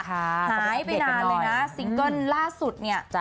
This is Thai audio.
หายไปนานเลยนะซิงเกิ้ลล่าสุดเนี่ย